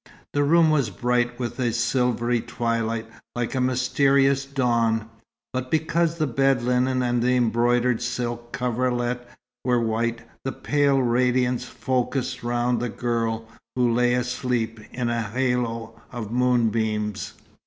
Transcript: The room was bright with a silvery twilight, like a mysterious dawn; but because the bed linen and the embroidered silk coverlet were white, the pale radiance focused round the girl, who lay asleep in a halo of moonbeams.